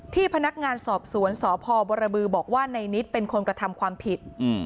พนักงานสอบสวนสพบรบือบอกว่าในนิดเป็นคนกระทำความผิด